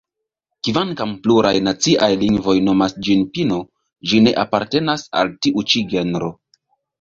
Kvankam pluraj naciaj lingvoj nomas ĝin "pino", ĝi ne apartenas al tiu ĉi genro.